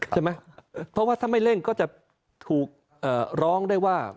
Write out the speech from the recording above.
ใช่ไหมเพราะว่าถ้าไม่เร่งก็จะถูกร้องได้ว่า